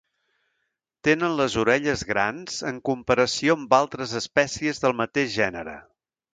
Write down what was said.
Tenen les orelles grans en comparació amb altres espècies del mateix gènere.